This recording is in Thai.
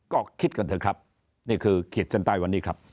ก็คิดกันเถอะครับนี่คือขีดเส้นใต้วันนี้ครับ